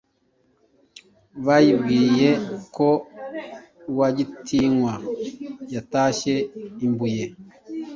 bayibwiye ko Rwagitinywa yatashye I Mbuye,